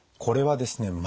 これはですね